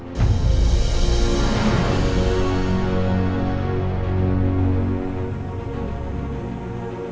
tidak ada yang bisa diberikan kepadanya